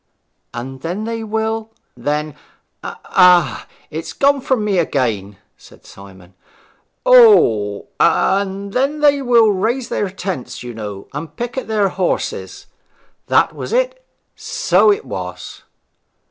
'And then they will ' 'Then Ah, it's gone from me again!' said Simon. 'O, and then they will raise their tents, you know, and picket their horses. That was it; so it was.'